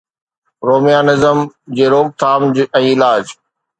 rheumatism جي روڪٿام ۽ علاج